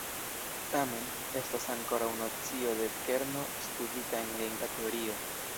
Tamen, estas ankoraŭ nocio de kerno studita en ringa teorio.